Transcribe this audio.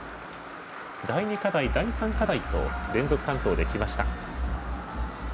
第２課題、第３課題と連続完登できました。